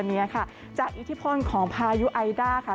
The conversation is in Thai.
ส่วนในระยะนี้หลายพื้นที่ยังคงพบเจอฝนตกหนักได้ค่ะ